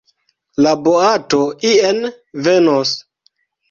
La boato ien venos.